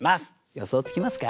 予想つきますか？